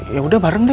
yaudah bareng deh